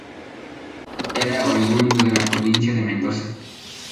Era oriundo de la Provincia de Mendoza.